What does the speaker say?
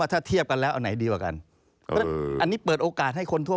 ถ้าเทียบกันแล้วอันไหนดีกว่ากันอันนี้เปิดโอกาสให้คนทั่ว